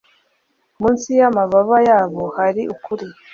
munsi y amababa yabo hari ukuri